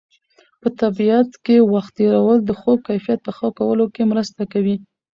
په طبیعت کې وخت تېرول د خوب کیفیت په ښه کولو کې مرسته کوي.